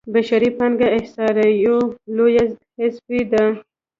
بشري پانګه احصایو لویه حذفي ده.